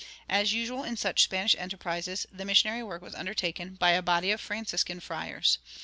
As usual in such Spanish enterprises, the missionary work was undertaken by a body of Franciscan friars.